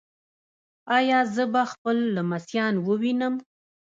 ایا زه به خپل لمسیان ووینم؟